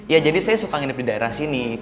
ya jadi saya suka nginep di daerah sini